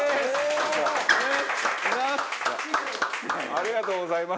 ありがとうございます。